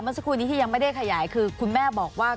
เมื่อสักครู่นี้ที่ยังไม่ได้ขยายคือคุณแม่บอกว่า